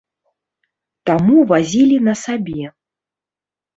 Таму вазілі на сабе.